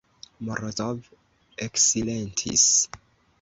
Morozov eksilentis.